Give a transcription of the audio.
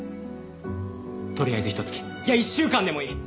とりあえずひと月いや１週間でもいい。